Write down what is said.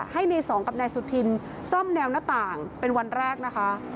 ให้ในสองกับนายสุธินซ่อมแนวหน้าต่างเป็นวันแรกนะคะ